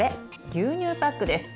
牛乳パックです。